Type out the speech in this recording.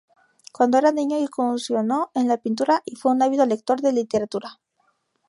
Cuando era niño, incursionó en la pintura y fue un ávido lector de literatura.